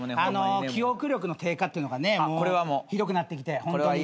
記憶力の低下っていうのがねもうひどくなってきてホントに。